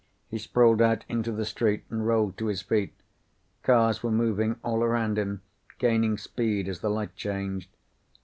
He sprawled out into the street and rolled to his feet. Cars were moving all around him, gaining speed as the light changed.